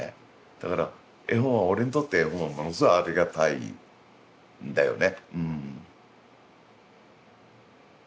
だから絵本は俺にとってものすごいありがたいんだよね。